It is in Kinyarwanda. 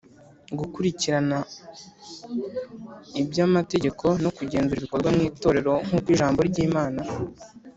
gukurikirana iby amategeko no kugenzura ibikorwa mw itorero nkuko ijambo ry Imana